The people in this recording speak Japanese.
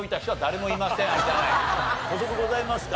補足ございますか？